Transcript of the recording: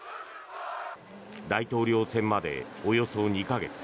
大統領選までおよそ２か月。